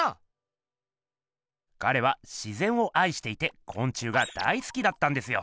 ガレは「自ぜん」をあいしていてこん虫が大すきだったんですよ。